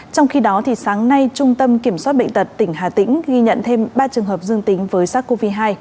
trong khi đó sáng nay trung tâm kiểm soát bệnh tật tỉnh hà tĩnh ghi nhận thêm ba trường hợp dương tính với sars cov hai